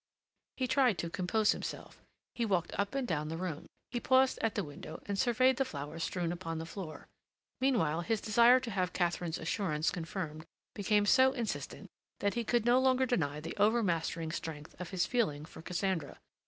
He tried to compose himself. He walked up and down the room; he paused at the window and surveyed the flowers strewn upon the floor. Meanwhile his desire to have Katharine's assurance confirmed became so insistent that he could no longer deny the overmastering strength of his feeling for Cassandra.